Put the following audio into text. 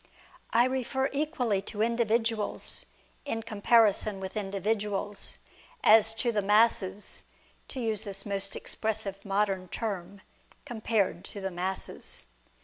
I refer equally to individuals in comparison with in dividuals, as to the masses (to use this most expressive modern term) compared to the masses.